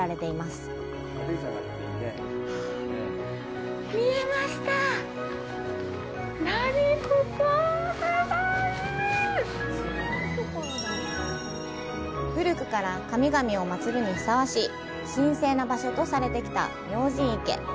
すごい！古くから神々を祀るにふさわしい神聖な場所とされてきた明神池。